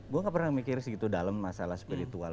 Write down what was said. gue gak pernah mikir segitu dalam masalah spiritual